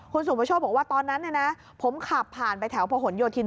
คุณสุมพชกบอกว่าตอนนั้นนะผมขับผ่านไปแถวพโยธิน๑๒